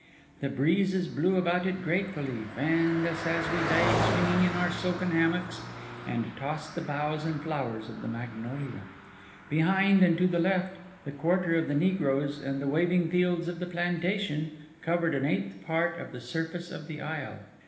The breezes blew about it gratefully, fanned us as we lay swinging in our silken hammocks, and tossed the boughs and flowers of the magnolia. Behind and to the left, the quarter of the negroes and the waving fields of the plantation covered an eighth part of the surface of the isle.